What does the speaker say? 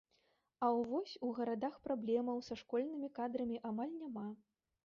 А ў вось у гарадах праблемаў са школьнымі кадрамі амаль няма.